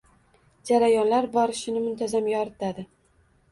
Jarayonlar borishini muntazam yoritadi